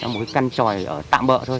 một cái căn tròi ở tạm bỡ thôi